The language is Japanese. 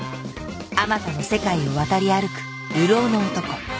あまたの世界を渡り歩く流浪の男